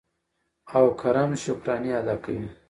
او کرم شکرانې ادا کوي.